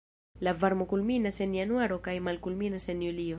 La varmo kulminas en januaro kaj malkulminas en julio.